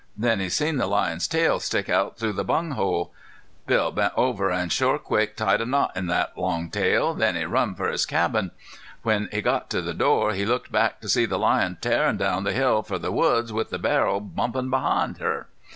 Then he seen the lion's tail stick out through the bung hole. Bill bent over an' shore quick tied a knot in thet long tail. Then he run fer his cabin. When he got to the door he looked back to see the lion tearin' down the hill fer the woods with the barrel bumpin' behind her.